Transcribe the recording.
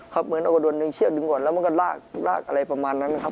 เหมือนเอาก็โดนดึงเชือกดึงก่อนแล้วมันก็ลากลากอะไรประมาณนั้นนะครับ